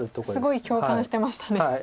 すごい共感してましたね。